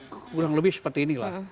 kurang lebih seperti inilah